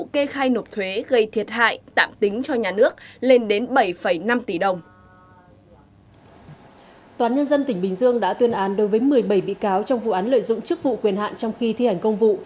tòa nhân dân tỉnh bình dương đã tuyên án đối với một mươi bảy bị cáo trong vụ án lợi dụng chức vụ quyền hạn trong khi thi hành công vụ